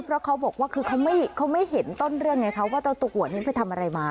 เพราะเขาบอกว่าคือเขาไม่เขาไม่เห็นต้นเรื่องในเขาว่าตัวตัวนี้ไปทำอะไรมา